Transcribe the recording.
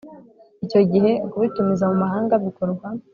Icyo gihe kubitumiza mu mahanga bikorwa